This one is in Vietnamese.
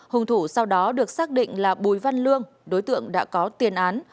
hùng thủ sau đó được xác định là bùi văn lương đối tượng đã có tiền án